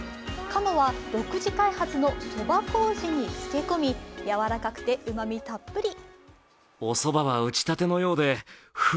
鴨は独自開発のそばこうじにつけ込みやわらかくてうまみたっぷり。